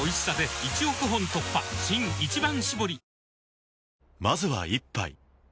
新「一番搾り」